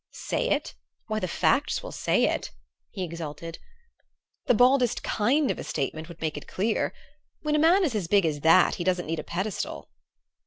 "Say it? Why, the facts will say it," he exulted. "The baldest kind of a statement would make it clear. When a man is as big as that he doesn't need a pedestal!"